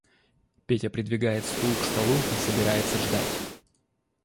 Петя придвигает стул к столу и собирается ждать.